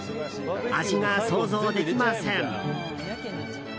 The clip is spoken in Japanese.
味が想像できません。